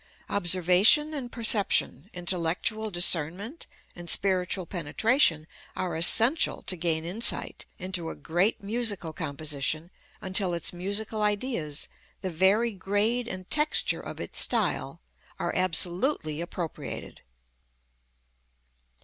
Observation and perception, intellectual discernment and spiritual penetration are essential to gain insight into a great musical composition until its musical ideas, the very grade and texture of its style, are absolutely appropriated.